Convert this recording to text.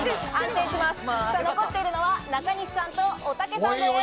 残っているのは、中西さんと、おたけさんです。